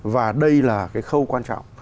và đây là cái khâu quan trọng